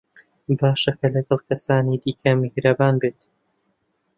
باشە کە لەگەڵ کەسانی دیکە میهرەبان بیت.